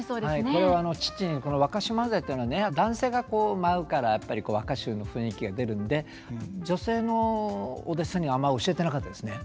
これは父にこの「若衆萬歳」っていうのはね男性が舞うからやっぱり若衆の雰囲気が出るんで女性のお弟子さんにはあんまり教えてなかったですね。